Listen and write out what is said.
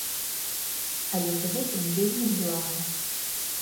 Але з гэтым вельмі блага.